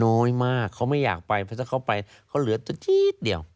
น้อยมากเขาไม่อยากไปเพราะถ้าเขาไปเขาเหลือแต่ทีดเดียว